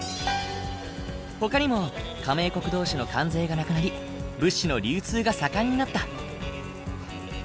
ほかにも加盟国同士の関税がなくなり物資の流通が盛んになった。